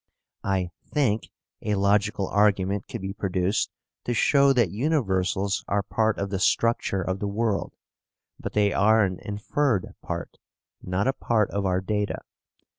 I THINK a logical argument could be produced to show that universals are part of the structure of the world, but they are an inferred part, not a part of our data.